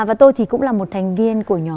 và tôi thì cũng là một thành viên